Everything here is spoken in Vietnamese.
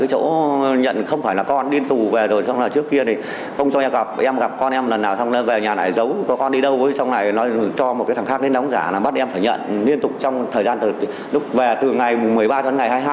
càng thêm bất bình